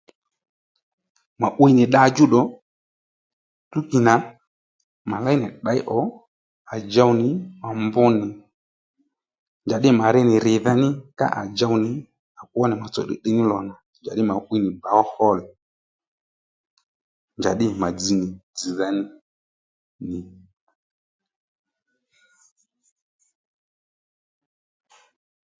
Mà 'wi nì dda djúddù túkì nà mà léy nì tděy ò à djow nì mà mbr nì njǎddî mà ri nì rìdha ní ká à djow nì à kwo nì mà tsotso tdiytdiy ní lò nà njǎddí mà mà 'wi nì bǒwa hol óddù njàddî mà dzz nì dzz̀dha ní